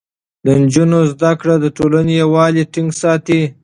د نجونو زده کړه د ټولنې يووالی ټينګ ساتي.